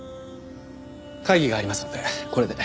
会議がありますのでこれで。